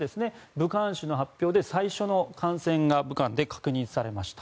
武漢市の発表で最初の感染が武漢で確認されました。